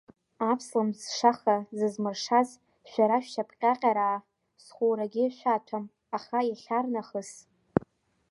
Аԥслымӡ шаха зызмыршаз, шәара шьапҟьаҟьараа, схәурагьы шәаҭәам, аха иахьарнахыс…